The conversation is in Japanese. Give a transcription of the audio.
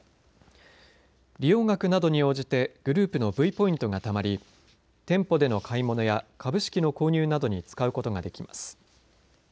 利用額などに応じてグループのＶポイントがたまり店舗での買い物や株式の購入などに使うことができます。